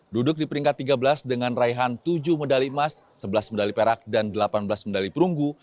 duduk di peringkat tiga belas dengan raihan tujuh medali emas sebelas medali perak dan delapan belas medali perunggu